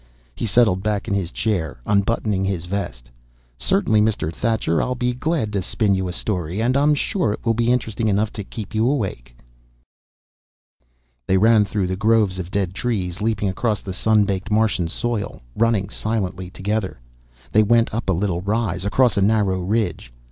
He settled back in his chair, unbuttoning his vest. "Certainly, Mr. Thacher. I'll be glad to spin you a story. And I'm sure it will be interesting enough to keep you awake." They ran through the groves of dead trees, leaping across the sun baked Martian soil, running silently together. They went up a little rise, across a narrow ridge.